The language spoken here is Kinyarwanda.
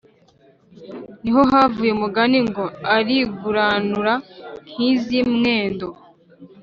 Ni ho havuye umugani ngo: “Ariguranura nk’ iz’i Mwendo.”